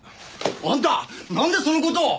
あんたなんでその事を！